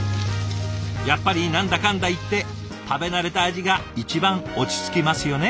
やっぱり何だかんだ言って食べ慣れた味が一番落ち着きますよね。